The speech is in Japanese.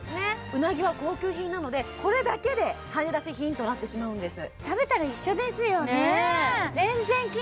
うなぎは高級品なのでこれだけではねだし品となってしまうんですあとですね